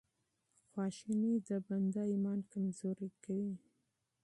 غصه د بنده ایمان کمزوری کوي.